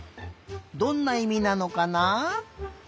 どんないみなのかな？